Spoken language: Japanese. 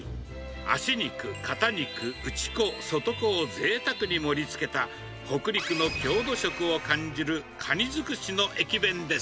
脚肉、肩肉、内子、外子をぜいたくに盛りつけた、北陸の郷土色を感じるカニ尽くしの駅弁です。